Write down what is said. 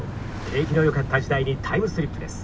景気のよかった時代にタイムスリップです。